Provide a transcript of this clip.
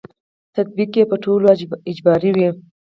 تطبیق یې په ټولو اجباري وي.